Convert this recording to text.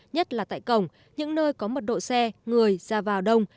nhất là tại cổng những nơi có mật độ xe người ra vào đông